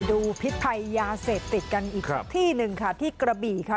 ดูพิษไพยาเสถติดกันอีกที่นึงค่ะที่กระบี่ค่ะ